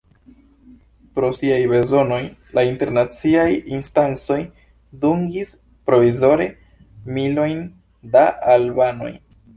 Pro siaj bezonoj, la internaciaj instancoj dungis provizore milojn da albanoj.